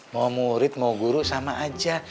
mau murid mau guru sama aja